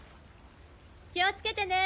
気をつけてね。